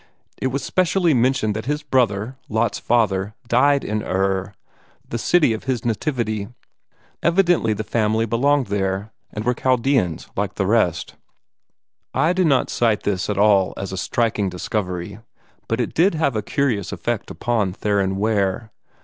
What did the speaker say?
It was specially mentioned that his brother, Lot's father, died in Ur, the city of his nativity. Evidently the family belonged there, and were Chaldeans like the rest. I do not cite this as at all a striking discovery, but it did have a curious effect upon Theron Ware.